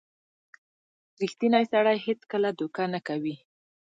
• ریښتینی سړی هیڅکله دوکه نه کوي.